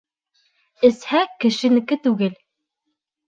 — Эсһә, ксшенскеи түгел.